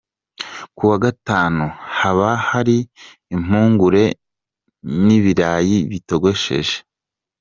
Ku wa Gatanu haba hari impungure, n’ibirayi bitogosheje.